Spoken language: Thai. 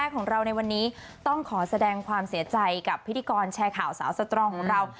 ของเราในวันนี้ต้องขอแสดงความเสียใจกับพิธีกรแชร์ข่าวสาวสตรองของเรา